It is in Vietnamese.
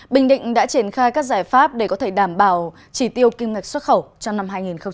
bình định đã triển khai các giải pháp để có thể đảm bảo chỉ tiêu kim ngạch xuất khẩu trong năm hai nghìn hai mươi